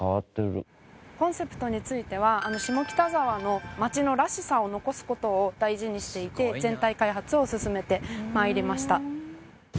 コンセプトについては下北沢の「街のらしさ」を残す事を大事にしていて全体開発を進めて参りました。